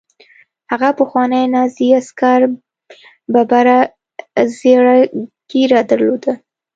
هغه پخواني نازي عسکر ببره زیړه ږیره درلوده